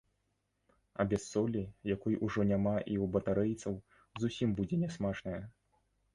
А без солі, якой ужо няма і ў батарэйцаў, зусім будзе нясмачная.